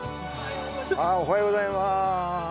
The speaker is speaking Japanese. おはようございます。